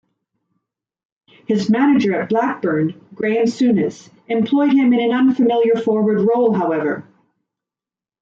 His manager at Blackburn, Graeme Souness, employed him in an unfamiliar forward role, however.